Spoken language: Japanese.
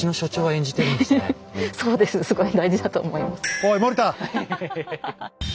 おい森田！